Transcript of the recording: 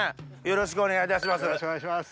よろしくお願いします。